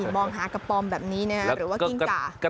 มองหากระป๋อมแบบนี้หรือว่ากิ้งจ่า